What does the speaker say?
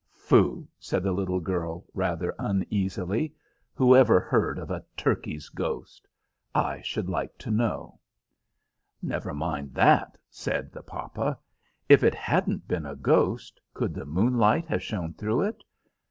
"Foo!" said the little girl, rather uneasily; "whoever heard of a turkey's ghost, I should like to know?" "Never mind, that," said the papa. "If it hadn't been a ghost, could the moonlight have shone through it?